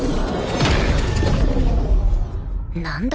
何だ？